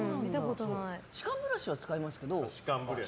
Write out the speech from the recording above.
歯間ブラシは使いますけど。